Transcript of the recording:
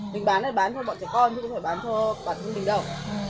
mình bán là bán thôi bọn trẻ con chứ không phải bán thôi bản thân mình đâu